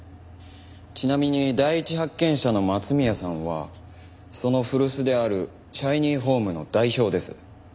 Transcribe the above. ちなみに第一発見者の松宮さんはその古巣であるＳｈｉｎｙｈｏｍｅの代表です。